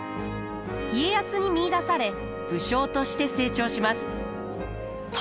家康に見いだされ武将として成長します。